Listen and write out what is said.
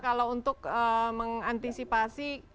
kalau untuk mengantisipasi